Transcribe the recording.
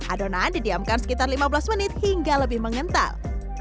adonan didiamkan sekitar lima belas menit hingga lebih mengental